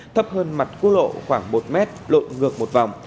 thấp hơn mặt quốc lộ khoảng một mét lộn ngược một vòng